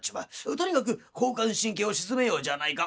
とにかく交感神経を鎮めようじゃないか。